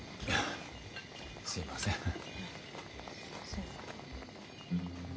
いえすいません。